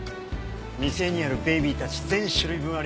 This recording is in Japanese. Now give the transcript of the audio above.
店にあるベイビーたち全種類分ありますよ。